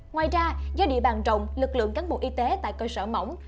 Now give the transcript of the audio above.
ngoài ra do địa bàn rộng lực lượng cán bộ y tế tại cơ sở mỏng